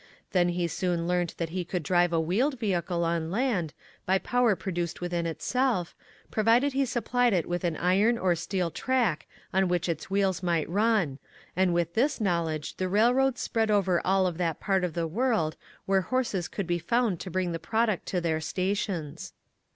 Then he soon learned that he could drive a wheeled vehicle on land by power pro duced within itself, provided he sup plied it with an iron or steel track on which its wheels might run, and with this knowledge the railroads spread over all of that part of the world where horses could be found to bring the product to their stations.